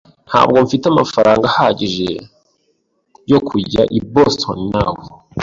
Ntabwo mfite amafaranga ahagije yo kujya i Boston nawe.